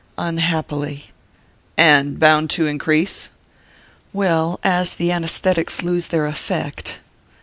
"Unhappily." "And bound to increase?" "Well as the anæsthetics lose their effect...."